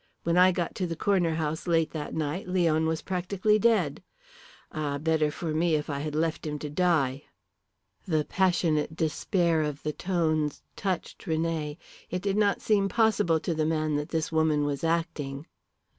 When I got to the Corner House late that night Leon was practically dead. Ah, better for me if I had left him to die." The passionate despair of the tones touched René. It did not seem possible to the man that this woman was acting.